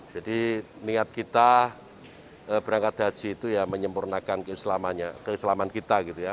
niat kita berangkat haji itu ya menyempurnakan keislaman kita gitu ya